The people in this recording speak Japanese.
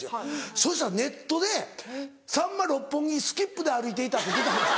そしたらネットで「さんま六本木スキップで歩いていた」って出たんです。